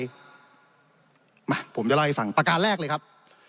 มาผมจะเล่าให้ฟังประการแรกเลยครับ